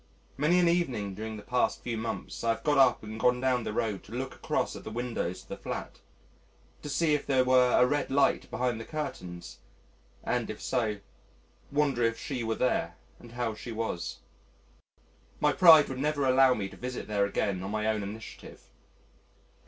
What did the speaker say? Many an evening during the past few months, I have got up and gone down the road to look across at the windows of the flat, to see if there were a red light behind the curtains, and, if so, wonder if she were there, and how she was. My pride would never allow me to visit there again on my own initiative.